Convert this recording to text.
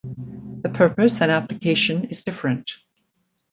The purpose and application is different.